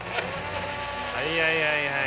はいはいはいはい。